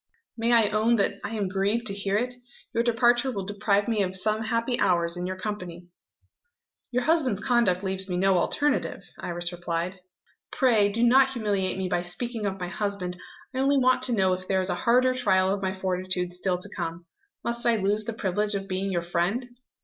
"May I own that I am grieved to hear it? Your departure will deprive me of some happy hours, in your company." "Your husband's conduct leaves me no alternative," Iris replied. "Pray do not humiliate me by speaking of my husband! I only want to know if there is a harder trial of my fortitude still to come. Must I lose the privilege of being your friend?"